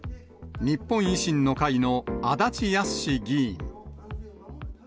日本維新の会の足立康史議員。